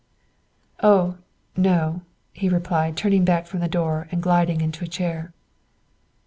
"Oh, no," he replied, turning back from the door and gliding into a chair.